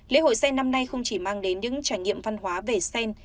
lễ hội sen năm nay không chỉ mang đến những trải nghiệm văn hóa về sen